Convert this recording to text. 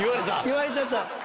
言われちゃった。